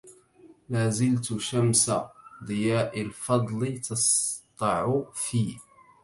لازلت شمسَ ضياءِ الفضلِ تسطعُ في